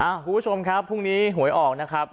คุณผู้ชมครับพรุ่งนี้หวยออกนะครับ